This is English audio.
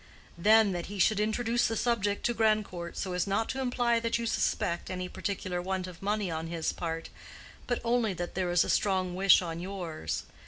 Then, that he should introduce the subject to Grandcourt so as not to imply that you suspect any particular want of money on his part, but only that there is a strong wish on yours.